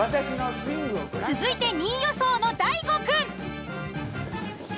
続いて２位予想の大悟くん。